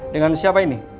dengan siapa ini